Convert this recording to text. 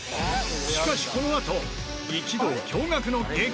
しかしこのあと一同驚愕の激